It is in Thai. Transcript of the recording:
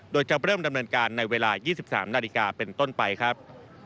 โดยจะเริ่มดำเนินการในเวลา๒๓นาฬิกาเป็นต้นไปครับ